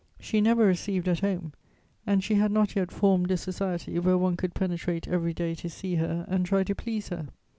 She never received at home and she had not yet formed a society where one could penetrate every day to see her and try to please her.